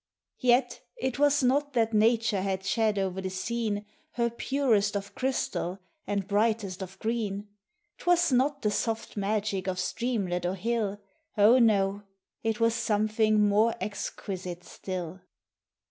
Yet it was not that Nature had shed o'er the scene Her purest of crystal and brightest of green; 'T was not the soft magic of streamlet or hill, — O, no! it was something more exquisite still.